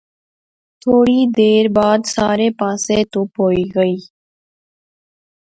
تھوڑی دیر بعد سارے پاسے تہوپ ہوئی غئی